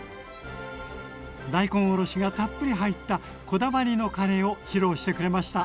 大根おろしがたっぷり入ったこだわりのカレーを披露してくれました。